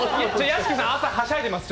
屋敷さん、あと、はしゃいでます。